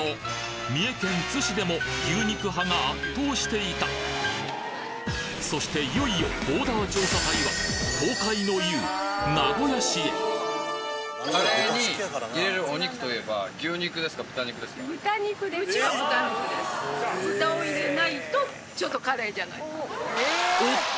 三重県津市でも牛肉派が圧倒していたそしていよいよボーダー調査隊は東海の雄名古屋市へおっと！